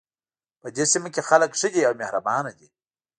په دې سیمه کې خلک ښه دي او مهربانه دي